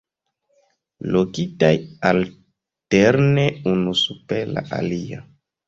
Lokitaj alterne unu super la alia.